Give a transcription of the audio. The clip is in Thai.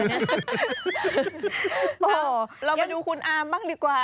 โอ้โหเรามาดูคุณอาร์มบ้างดีกว่า